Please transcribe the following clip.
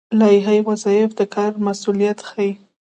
لایحه وظایف د کار مسوولیت ښيي